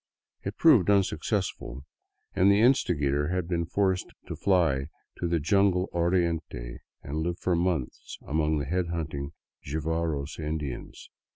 It proved unsuccessful, and the instigator had been forced to fly to the jungled Oriente and live for months among the head hunting Jivaros Indians.